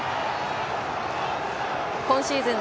今シーズン